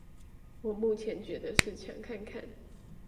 我目前覺得是搶看看